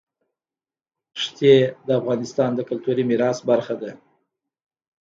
ښتې د افغانستان د کلتوري میراث برخه ده.